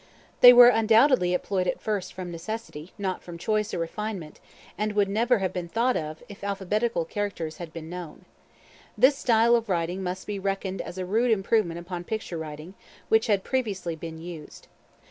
They were undoubtedly employed at first from necessity, not from choice or refinement; and would never have been thought of, if alphabetical characters had been known. This style of writing must be reckoned as a rude improvement upon picture writing, which had previously been used.